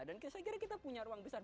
dan saya kira kita punya ruang besar